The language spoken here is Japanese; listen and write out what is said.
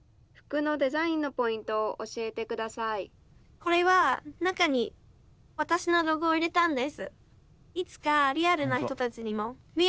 これは中に私のロゴを入れたんです。